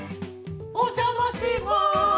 お邪魔します